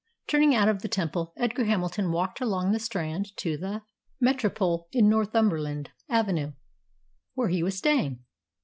Turning out of the Temple, Edgar Hamilton walked along the Strand to the Metropole, in Northumberland Avenue, where he was staying.